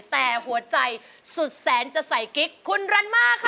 แต่หัวใจสุดแสนจะใส่กิ๊กคุณรันม่าค่ะ